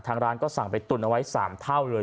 ร้านก็สั่งไปตุนเอาไว้๓เท่าเลย